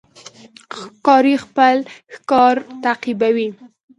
ښکاري خپل ښکار تعقیبوي.